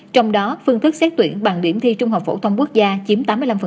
trong đó phương thức xét tuyển bằng điểm thi trung học phổ thông quốc gia chiếm tám mươi năm